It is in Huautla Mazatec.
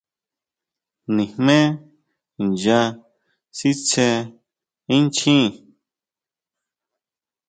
Nijmé nya sitsé inchjín.